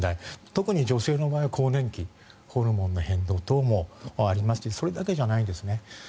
特に女性の場合は更年期ホルモンの変動等もありますしそれだけじゃないんですね。